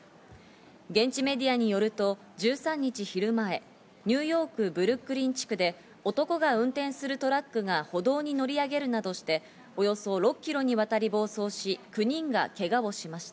現地メディアによると１３日昼前、ニューヨーク・ブルックリン地区で男が運転するトラックが歩道に乗り上げるなどして、およそ６キロにわたり暴走し、９人がけがをしました。